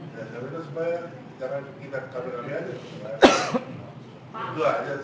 ya saya pikirkan kita sampai kami saja